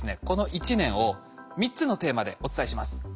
この１年を３つのテーマでお伝えします。